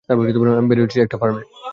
আমি বেড়ে উঠেছি একটা ফার্মে।